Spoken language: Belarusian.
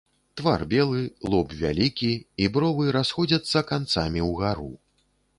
Твар белы, лоб вялікі, і бровы расходзяцца канцамі ўгару.